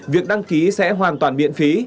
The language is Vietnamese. việc đăng ký sẽ hoàn toàn miễn phí